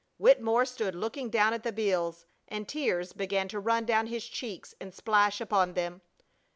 Wittemore stood looking down at the bills, and tears began to run down his cheeks and splash upon them.